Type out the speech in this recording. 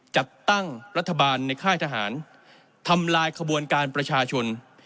จัดตั้งรัฐบาลในค่ายทหารทำลายขบวนการประชาชน